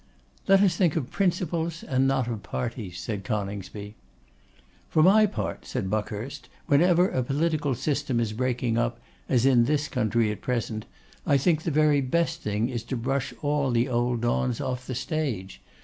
'Let us think of principles, and not of parties,' said Coningsby. 'For my part,' said Buckhurst, 'whenever a political system is breaking up, as in this country at present, I think the very best thing is to brush all the old Dons off the stage.